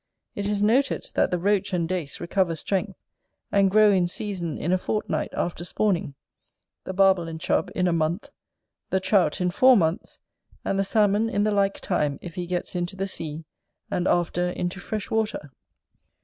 It is noted, that the Roach and Dace recover strength, and grow in season in a fortnight after spawning; the Barbel and Chub in a month; the Trout in four months; and the Salmon in the like time, if he gets into the sea, and after into fresh water.